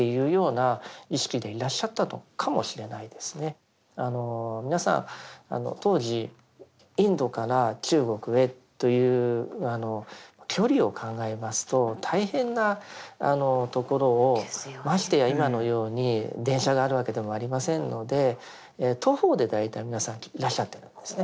それはやはり皆さん当時インドから中国へという距離を考えますと大変なところをましてや今のように電車があるわけでもありませんので徒歩で大体皆さんいらっしゃってたんですね。